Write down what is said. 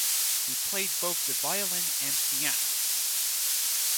He played both the violin and piano.